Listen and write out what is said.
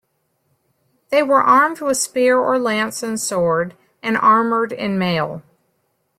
They were armed with spear or lance and sword and armored in mail.